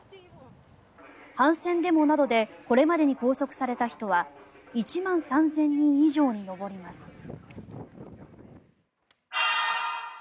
反戦デモなどでこれまでに拘束された人は１万３０００人以上に上ります。